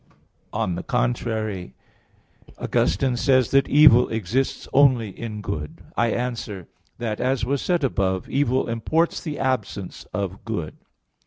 On the contrary, Augustine says (Enchiridion 14) that "evil exists only in good." I answer that, As was said above (A. 1), evil imports the absence of good.